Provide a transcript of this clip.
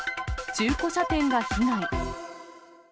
中古車店が被害。